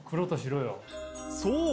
そう！